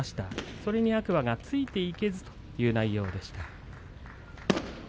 それに天空海がついていけずという内容でした。